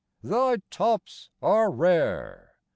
thy tops are rare!